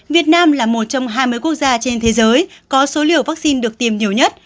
việt nam là một trong hai mươi quốc gia trên thế giới có số liều vaccine được tiêm nhiều nhất